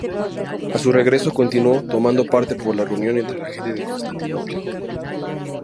A su regreso continuó tomando parte por la reunión entre la gente de Constantinopla.